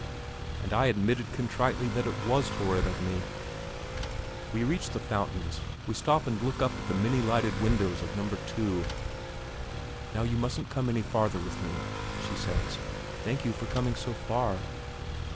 And I admitted contritely that it was horrid of me. We reached the fountains; we stop and look up at the many lighted windows of No. 2. "Now, you mustn't come any farther with me," she says. "Thank you for coming so far."